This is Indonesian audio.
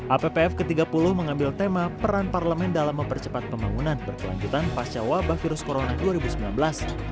appf ke tiga puluh mengambil tema peran parlemen dalam mempercepat pembangunan berkelanjutan paskual